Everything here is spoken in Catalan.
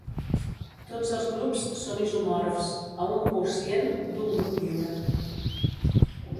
Tots els grups són isomorfs a un quocient d'un grup lliure.